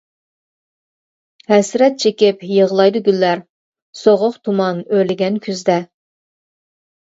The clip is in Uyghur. ھەسرەت چېكىپ يىغلايدۇ گۈللەر، سوغۇق تۇمان ئۆرلىگەن كۈزدە.